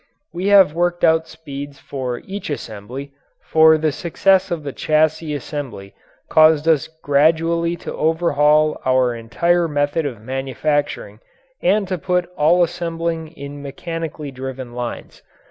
We have worked out speeds for each assembly, for the success of the chassis assembly caused us gradually to overhaul our entire method of manufacturing and to put all assembling in mechanically driven lines.